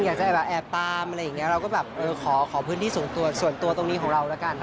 อยากจะแอบตามอะไรอย่างนี้เราก็แบบเออขอพื้นที่ส่วนตัวส่วนตัวตรงนี้ของเราแล้วกัน